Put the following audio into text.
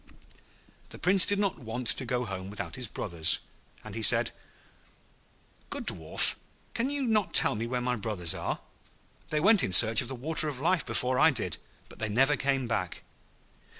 The Prince did not want to go home without his brothers, and he said, 'Good Dwarf, can you not tell me where my brothers are? They went in search of the Water of Life before I did, but they never came back.'